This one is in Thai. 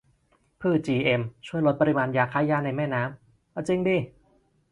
พืชจีเอ็ม ช่วยลดปริมาณยาฆ่าหญ้าในแม่น้ำ ? - เอาจิงดิ